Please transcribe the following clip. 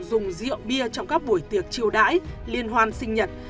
dùng rượu bia trong các buổi tiệc chiêu đãi liên hoan sinh nhật